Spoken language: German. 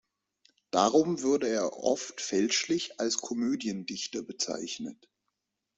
Darum wurde er oft fälschlich als Komödiendichter bezeichnet.